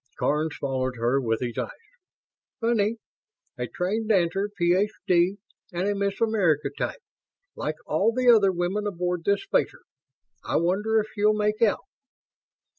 Karns followed her with his eyes. "Funny. A trained dancer Ph.D. And a Miss America type, like all the other women aboard this spacer. I wonder if she'll make out."